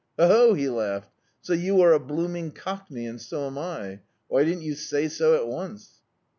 "Ho, ho!" he laughed, "so you are a blooming cockney, and so am I. Why didn't you say so at once?"